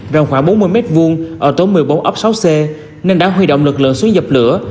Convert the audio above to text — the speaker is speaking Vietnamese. rộng khoảng bốn mươi m hai ở tổ một mươi bốn ấp sáu c nên đã huy động lực lượng xuống dập lửa